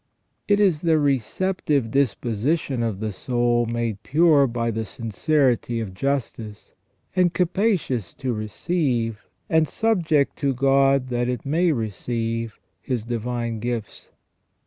It is the receptive disposition of the soul made pure by the sincerity of justice, and capacious to receive, and subject to God that it may receive. His divine gifts.